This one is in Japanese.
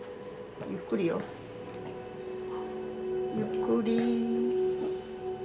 ゆっくりよゆっくり。